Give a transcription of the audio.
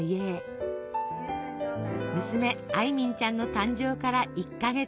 娘艾敏ちゃんの誕生から１か月。